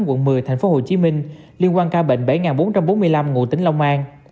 quận một mươi tp hcm liên quan ca bệnh bảy bốn trăm bốn mươi năm ngụ tỉnh long an